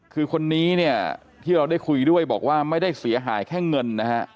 คือคนนี้เนี่ยที่เราได้คุยด้วยบอกว่าไม่ได้เสียหายแค่เงินนะฮะ